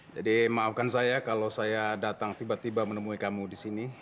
jadi maafkan saya kalau saya datang tiba tiba menemui kamu di sini